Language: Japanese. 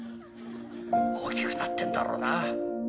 大きくなってんだろうな。